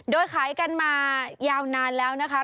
โดยขายกันมายาวนานแล้วนะคะ